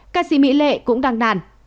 ca sĩ mỹ lệ cũng đăng đàn